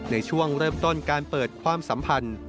ในช่วงเริ่มต้นการเปิดความสัมพันธ์